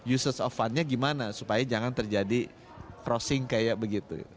users of fundnya gimana supaya jangan terjadi crossing kayak begitu